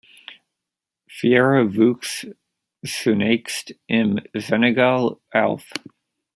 Vieira wuchs zunächst im Senegal auf.